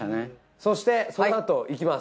そしてそのあといきます。